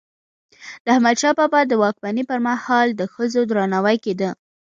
د احمدشاه بابا د واکمني پر مهال د ښځو درناوی کيده.